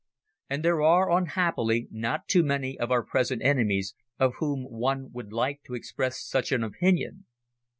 And there are unhappily not too many of our present enemies of whom one would like to express such an opinion.